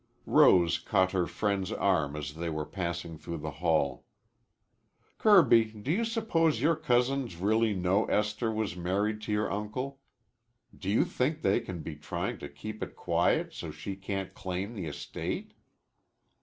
Rose caught her friend's arm as they were passing through the hall. "Kirby, do you suppose your cousins really know Esther was married to your uncle? Do you think they can be trying to keep it quiet so she can't claim the estate?"